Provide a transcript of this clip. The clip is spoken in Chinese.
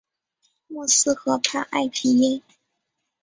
默斯河畔埃皮耶。